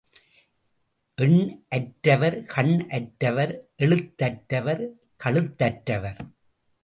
எண் அற்றவர் கண் அற்றவர் எழுத்தற்றவர் கழுத்தற்றவர்.